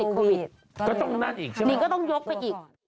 นี่ก็ต้องยกไปอีก